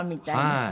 はい。